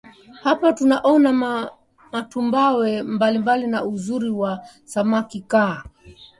Hapa utaona matumbawe mbalimbali na uzuri wa samaki Kaa